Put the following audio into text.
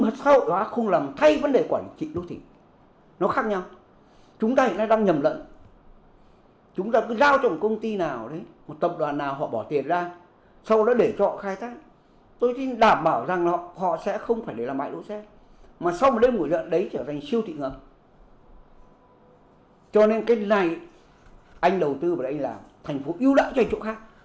cho nên cái này anh đầu tư và anh làm thành phố ưu đãi cho chỗ khác